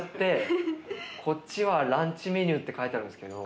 こっちはランチメニューって書いてあるんですけど。